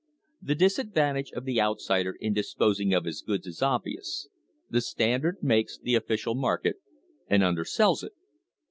The disadvantage of the outsider in disposing of his goods is obvious. The Standard makes the official market, and undersells it.